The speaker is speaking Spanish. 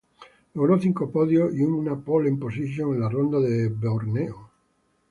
Logró cinco podios y una "pole position" en la ronda en Brno.